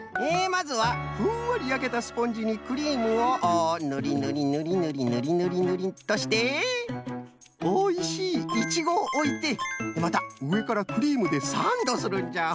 まずはふんわりやけたスポンジにクリームをぬりぬりぬりぬりっとしておいしいイチゴをおいてまたうえからクリームでサンドするんじゃ。